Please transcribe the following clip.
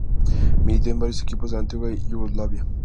Militó en varios equipos de la antigua Yugoslavia.